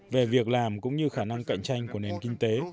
về việc làm cũng như khả năng cạnh tranh của nền kinh tế